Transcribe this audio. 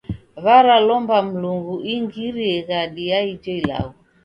W'aralomba Mlungu ungirie ghadi ya ijo ilagho.